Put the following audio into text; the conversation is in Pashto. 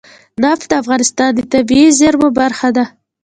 نفت د افغانستان د طبیعي زیرمو برخه ده.